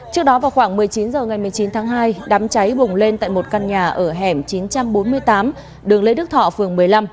trước đó vào khoảng một mươi chín h ngày một mươi chín tháng hai đám cháy bùng lên tại một căn nhà ở hẻm chín trăm bốn mươi tám đường lê đức thọ phường một mươi năm